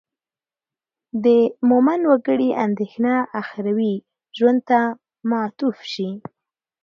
د مومن وګړي اندېښنه اخروي ژوند ته معطوف شي.